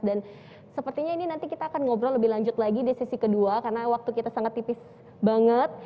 dan sepertinya ini nanti kita akan ngobrol lebih lanjut lagi di sesi kedua karena waktu kita sangat tipis banget